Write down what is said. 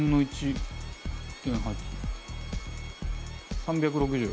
３６０。